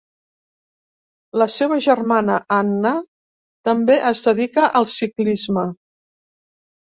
La seva germana Anna també es dedica al ciclisme.